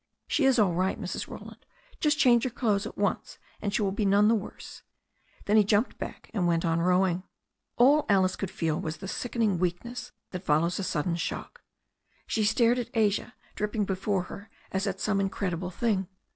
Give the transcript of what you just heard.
"She is all right, Mrs. Roland. Just change her clothes at once and she will be none the worse." Then he jumped back and went on rowing. All Alice could feel was the sickening weakness that fol lows a sudden shock. She stared at Asia dripping before her as at some incredible thing.